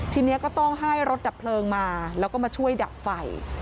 ทีนี้ก็ต้องให้รถดับเพลิงมาแล้วก็มาช่วยดับไฟ